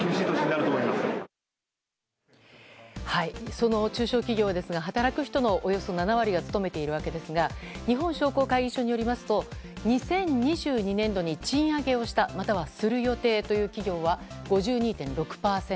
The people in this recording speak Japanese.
その中小企業ですが働く人のおよそ７割が勤めているわけですが日本商工会議所によりますと２０２２年度に賃上げをしたまたは、する予定という企業は５２．６％。